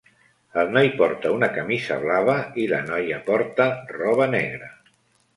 El noi porta una camisa blava, i la noia porta roba negra.